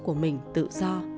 của mình tự do